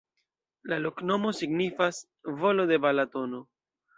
La loknomo signifas: volo de Balatono.